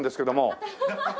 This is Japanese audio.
アハハハ！